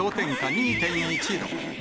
２．１度。